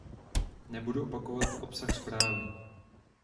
Nebudu opakovat obsah zprávy.